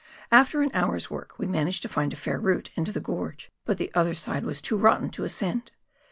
After an hour's work we managed to find a fair route into the gorge, but the other side was too rotten to ascend.